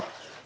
và cận nghèo